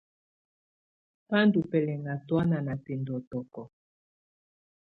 Bà ndù bɛlɛ̀ŋa tuɛna na bɛ̀ndɔ̀tɔkɔ.